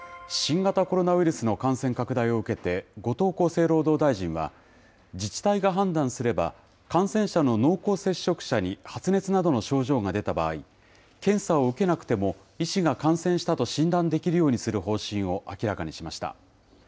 新型コロナウイルスの感染拡大を受けて後藤厚生労働大臣は、自治体が判断すれば、感染者の濃厚接触者に発熱などの症状が出た場合、検査を受けなくても医師が感染したと診断できるようにする方針を明らかにしました。